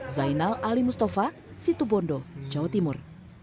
zainal ali mustafa situbondo jawa timur